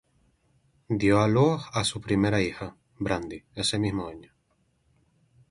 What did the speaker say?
Dio a luz a su primera hija, Brandi, ese mismo año.